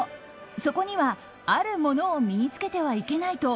そこには、あるものを身に着けてはいけないと